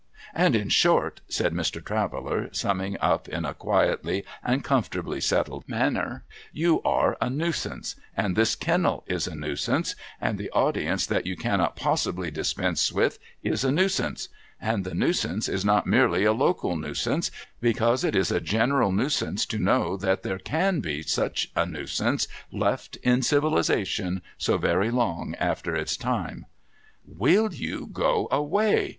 ; and in short,' said Mr. Traveller, summing up in a quietly and comfortably settled manner, • you are a Nuisance, and this kennel is a Nuisance, and the audience that you cannot possibly dispense with is a Nuisance, and the Nuisance is not merely a local Nuisance, because it is a general Nuisance to know that there can he such a Nuisance left in civilisation so very long after its time.' ' A\'ill you go away